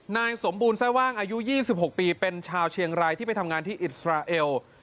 นายสมบูรณแทร่ว่างอายุ๒๖ปีเป็นชาวเชียงรายที่ไปทำงานที่อิสราเอล